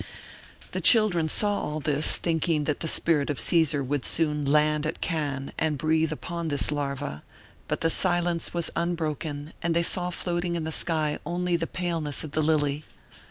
The children saw all this, thinking that the spirit of Caesar would soon land at Cannes and breathe upon this larva; but the silence was unbroken and they saw floating in the sky only the paleness of the lily.